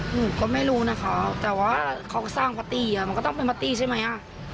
หนูก็ไม่รู้นะคะแต่ว่าเขาสร้างปาร์ตี้มันก็ต้องเป็นปาร์ตี้ใช่ไหม